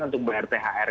untuk membayar thr